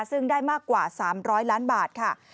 ซึ่งได้มากกว่า๓๐๐ล้านบาทค่ะ